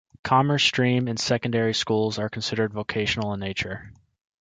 Commerce stream in secondary schools are considered vocational in nature.